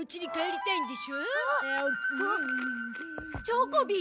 チョコビ！？